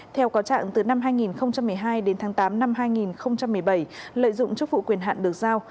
theo có trạng từ năm hai nghìn một mươi hai đến tháng tám năm hai nghìn một mươi bảy lợi dụng chức vụ quyền hạn được giao